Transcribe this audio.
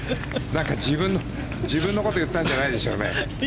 なんか、自分のこと言ったんじゃないでしょうね。